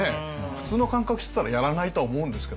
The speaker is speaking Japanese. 普通の感覚してたらやらないと思うんですけどね。